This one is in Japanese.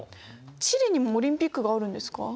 地理にもオリンピックがあるんですか？